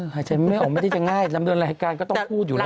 หายใจไม่ออกไม่ได้จะง่ายดำเนินรายการก็ต้องพูดอยู่แล้ว